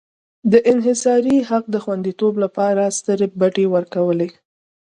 د انحصاري حق د خوندیتوب لپاره سترې بډې ورکولې.